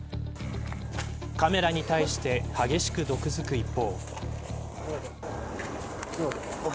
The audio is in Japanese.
カメラに対して激しく毒づく一方。